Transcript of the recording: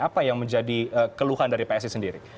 apa yang menjadi keluhan dari psi sendiri